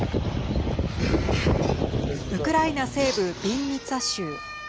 ウクライナ西部ビンニツァ州。